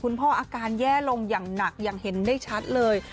พ่ออาการแย่ลงอย่างหนักอย่างเห็นได้ชัดเลย